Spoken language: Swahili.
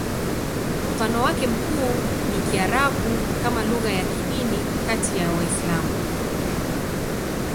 Mfano wake mkuu ni Kiarabu kama lugha ya kidini kati ya Waislamu.